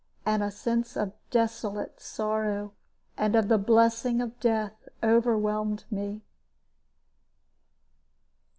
And a sense of desolate sorrow and of the blessing of death overwhelmed me.